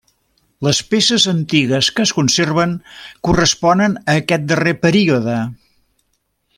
Les peces antigues que es conserven corresponen a aquest darrer període.